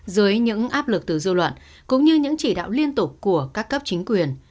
dưới những áp lực từ dư luận cũng như những chỉ đạo liên tục của các cấp chính quyền